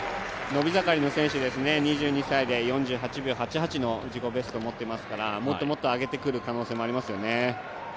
伸び盛りの選手ですね、２２歳で４８秒８８の自己ベスト持ってますからもっともっと上げてくる可能性もありますよね。